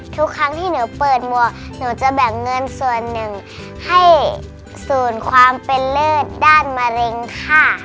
ทุกครั้งที่หนูเปิดหมวกหนูจะแบ่งเงินส่วนหนึ่งให้ศูนย์ความเป็นเลิศด้านมะเร็งค่ะ